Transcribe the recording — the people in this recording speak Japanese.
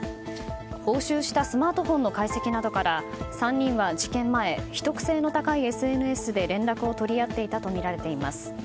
押収したスマートフォンの解析などから３人は事件前秘匿性の高いＳＮＳで連絡を取り合っていたとみられています。